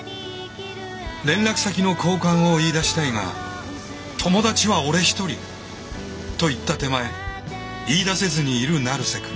連絡先の交換を言いだしたいが「友達は俺ひとり」と言った手前言いだせずにいる成瀬くん。